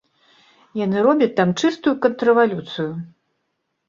Яны робяць там чыстую контррэвалюцыю.